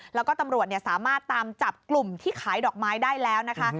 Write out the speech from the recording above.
แล้วก็ตำรวจสามารถตามจับกลุ่มที่ขายดอกไม้ได้แล้วนะคะ